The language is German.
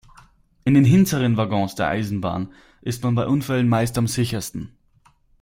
In den hinteren Waggons der Eisenbahn ist man bei Unfällen meist am sichersten.